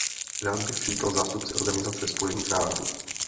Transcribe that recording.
Rád bych přivítal zástupce Organizace spojených národů.